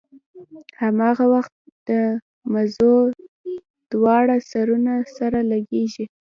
هماغه وخت د مزو دواړه سرونه سره لګېږي.